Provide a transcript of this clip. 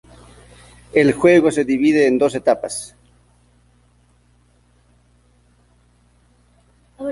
El juego se divide en dos etapas.